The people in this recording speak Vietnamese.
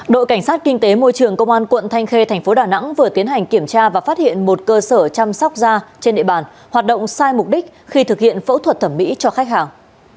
đội cảnh sát kinh tế môi trường công an quận thanh khê thành phố đà nẵng vừa tiến hành kiểm tra và phát hiện một cơ sở chăm sóc da trên địa bàn hoạt động sai mục đích khi thực hiện phẫu thuật thẩm mỹ cho khách hàng